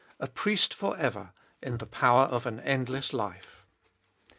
A PRIEST FOR EVER IN THE POWER OF AN ENDLESS LIFE.